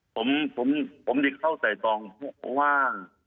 ทีนี้ผมได้เข้าไต่ตรองว่า